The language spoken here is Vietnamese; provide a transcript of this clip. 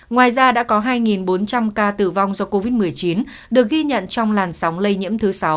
ngoài ra đã có hai bốn trăm linh ca tử vong do covid một mươi chín được ghi nhận trong làn sóng lây nhiễm thứ sáu